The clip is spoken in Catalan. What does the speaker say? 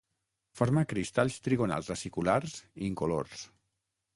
Forma cristalls trigonals aciculars incolors.